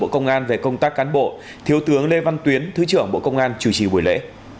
công tác cán bộ thiếu tướng lê văn tuyến thứ trưởng bộ công an chủ trì buổi lễ